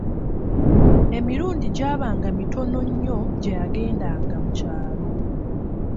Emirundi gyabanga mitono nnyo gye yagendanga mu kyalo.